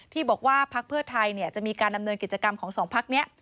ที่บอกว่าพักเพื่อไทยจะมีการดำเนินกิจกรรมของสองพักนี้